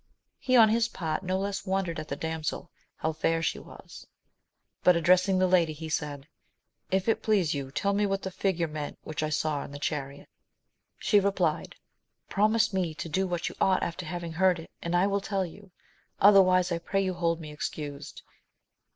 He on his part no less wondered at the damsel, how fair she was ; but addressing the lady, he said, If it please you, tell me what the figure meant which I saw in the chariot. She replied, Promise me to do what you ought after having heard it, and I will tell you ; otherwise, I pray you hold me excused.